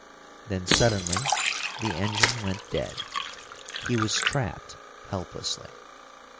Then suddenly the engine went dead. He was trapped helplessly.